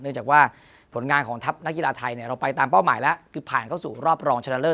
เนี่ยหลังจากผลงานของทัพนักกีฬาไทยเนี่ยเราไปตามเป้าหมายแล้วก็ผ่านเข้าสู่รอบรองฉลาระเลอร์